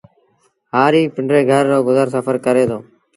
هآريٚ پندري گھر رو گزر سڦر ڪري دو